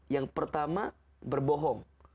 yang pertama berbohong